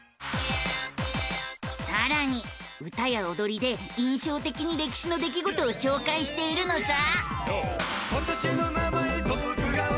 さらに歌やおどりで印象的に歴史の出来事を紹介しているのさ！